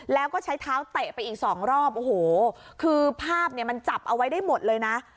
แล้วก็ใช้เท้าเตะไปอีกสองรอบโอ้โหคือภาพเนี่ยมันจับเอาไว้ได้หมดเลยนะ